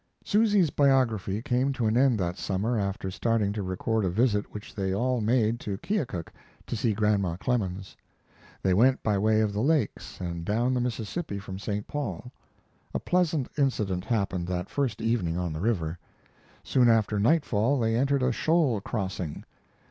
Susy's biography came to an end that summer after starting to record a visit which they all made to Keokuk to see Grandma Clemens. They went by way of the Lakes and down the Mississippi from St. Paul. A pleasant incident happened that first evening on the river. Soon after nightfall they entered a shoal crossing.